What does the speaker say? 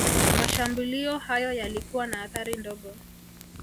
Mashambulio hayo yalikuwa na athari ndogo